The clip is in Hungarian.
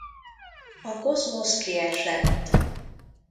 A Cosmos kiesett.